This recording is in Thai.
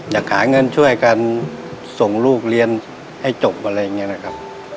อยากหาเงินช่วยกันส่งลูกเรียนให้จบอะไรอย่างนี้นะครับ